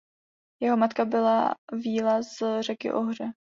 Jeho matka byla víla z řeky Ohře.